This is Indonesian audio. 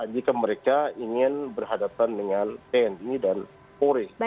jika mereka ingin berhadapan dengan pni dan pori